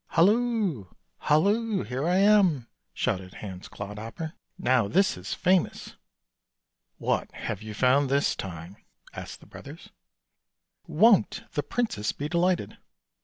24 ANDERSEN'S FAIRY TALES " Halloo, halloo, here I am," shouted Hans Clodhopper. " Now this is famous." " What have you found this time? " asked the brothers. " Won't the princess be delighted!